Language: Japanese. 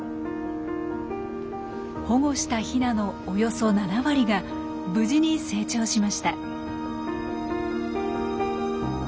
保護したヒナのおよそ７割が無事に成長しました。